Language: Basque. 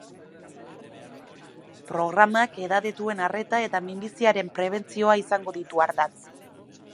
Programak edadetuen arreta eta minbiziaren prebentzioa izango ditu ardatz.